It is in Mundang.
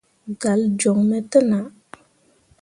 Galle joŋ me te nah.